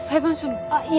あっいえ